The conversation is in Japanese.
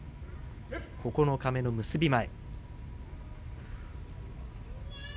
九日目の結び前。